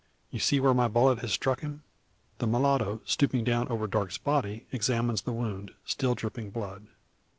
You see where my bullet has struck him?" The mulatto, stooping down over Darke's body, examines the wound, still dripping blood.